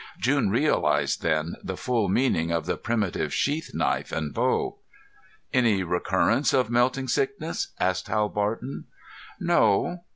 June realized then the full meaning of the primitive sheath knife and bow. "Any recurrence of melting sickness?" asked Hal Barton. "No."